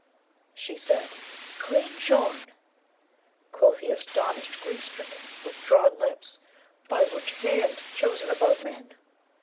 She said, 'Clean shorn!' Quoth he, astonished, grief stricken, with drawn lips, 'By which hand, chosen above men?'